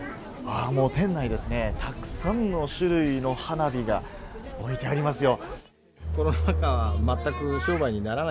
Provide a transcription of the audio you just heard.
店内、たくさんの種類の花火が置いてありますよ。